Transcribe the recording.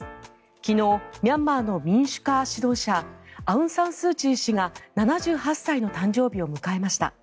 昨日、ミャンマーの民主化指導者アウンサンスーチー氏が７８歳の誕生日を迎えました。